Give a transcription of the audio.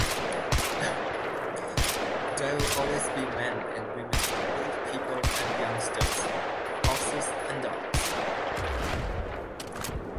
There will always be men and women, old people and youngsters, horses and dogs.